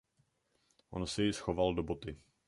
On si ji schoval do boty.